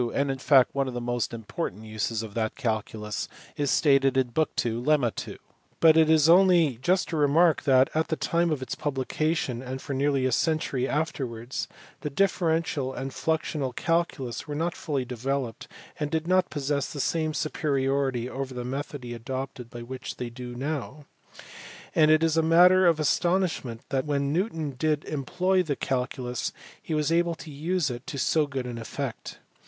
and in fact one of the most important uses of that calculus is stated in book n., lemma 2. But it is only just to remark that, at the time of its publication and for nearly a century afterwards, the differential and fluxional calculus were not fully developed and did not possess the same superiority over the method he adopted which they do now ; and it is a matter for astonishment that when Newton did employ the calculus he was able to use it to so good an effect.